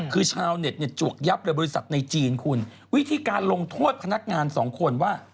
คือชาวเน็ตเนี่ยจวกยับเลยบริษัทในจีนคุณวิธีการลงโทษพนักงานสองคนว่า